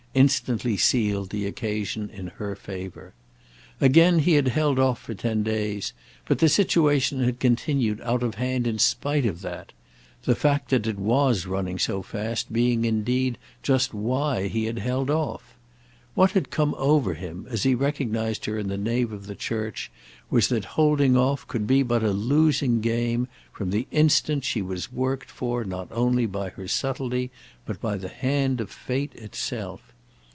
instantly sealed the occasion in her favour. Again he had held off for ten days, but the situation had continued out of hand in spite of that; the fact that it was running so fast being indeed just why he had held off. What had come over him as he recognised her in the nave of the church was that holding off could be but a losing game from the instant she was worked for not only by her subtlety, but by the hand of fate itself.